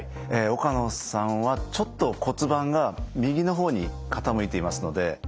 岡野さんはちょっと骨盤が右の方に傾いていますので。